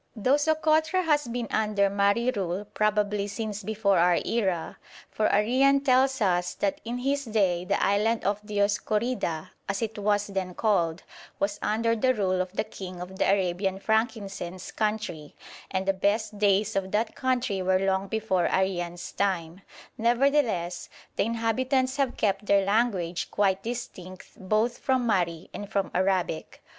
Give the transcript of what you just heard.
Though Sokotra has been under Mahri rule probably since before our era for Arrian tells us that in his day the island of Dioscorida, as it was then called, was under the rule of the king of the Arabian frankincense country, and the best days of that country were long before Arrian's time nevertheless, the inhabitants have kept their language quite distinct both from Mahri and from Arabic.